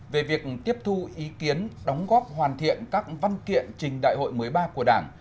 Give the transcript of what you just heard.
về việc tiếp thu ý kiến đóng góp hoàn thiện các văn kiện trình đại hội một mươi ba của đảng